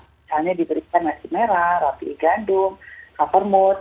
misalnya diberikan nasi merah roti gandum kaffir mud